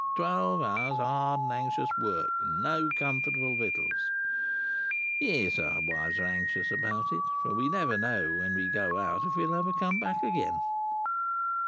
Twelve hours' hard and anxious work, and no comfortable victuals. Yes, our wives are anxious about us; for we never know when we go out, if we'll ever come back again.